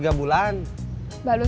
masih butuh barang